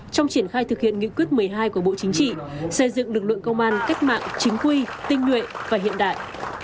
trong triển khai thực hiện nghị quyết một mươi hai của bộ chính trị xây dựng lực lượng công an cách mạng chính quy tinh nguyện và hiện đại